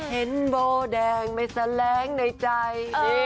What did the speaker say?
เห็นโบแดงไม่แสลงในใจ